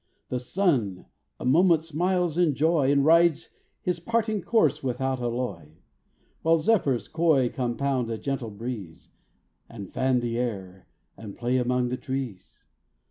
the sun a moment smiles in joy, And rides his parting course without alloy; While Zephyrs coy compound a gentle breeze, And fan the air, and play among the trees.